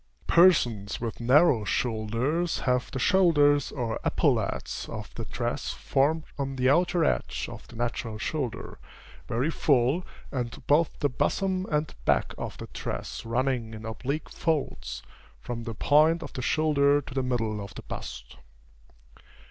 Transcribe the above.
Persons with narrow shoulders have the shoulders or epaulets of the dress formed on the outer edge of the natural shoulder, very full, and both the bosom and back of the dress running in oblique folds, from the point of the shoulder to the middle of the bust.